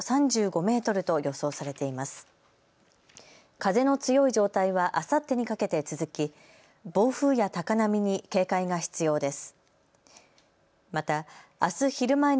風の強い状態はあさってにかけて続き暴風や高波に警戒が必要です。